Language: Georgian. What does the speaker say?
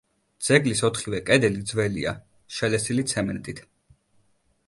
ძეგლის ოთხივე კედელი ძველია, შელესილი ცემენტით.